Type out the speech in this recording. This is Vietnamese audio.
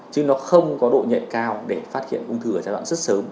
chứ nó không có độ nhẹ cao để phát hiện ung thư ở giai đoạn rất sớm